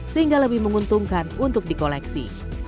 sehingga lebih menguntungkan untuk di koleksi